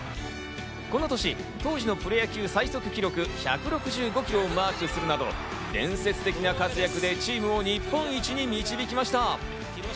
この年、当時のプロ野球最速記録１６５キロをマークするなど、伝説的な活躍でチームを日本一に導きました。